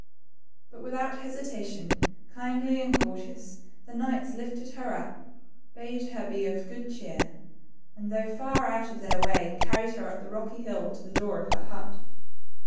But without hesitation, kindly and courteously, the knights lifted her up, bade her be of good cheer, and though far out of their way, carried her up the rocky hill to the door of her hut.